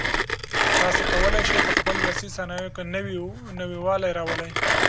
تاسي کولای شئ په خپلو لاسي صنایعو کې نوي والی راولئ.